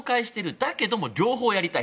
だけども両方やりたい。